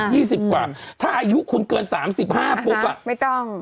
ถ้าอายุคุณเกิน๓๕ปุ๊บอ่ะไม่ต้อง